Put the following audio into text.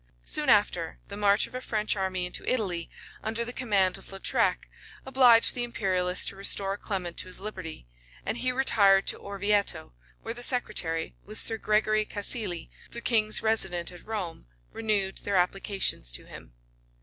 [*] Soon after, the march of a French army into Italy, under the command of Lautrec, obliged the imperialists to restore Clement to his liberty; and he retired to Orvietto, where the secretary, with Sir Gregory Cassali, the king's resident at Rome, renewed their applications to him.